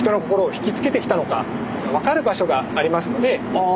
ああ